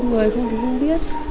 người không thì không biết